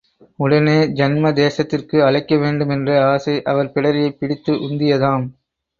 உடனே ஜன்ம தேசத்திற்கு உழைக்க வேண்டுமென்ற ஆசை அவர் பிடரியைப் பிடித்து உந்தியதாம்.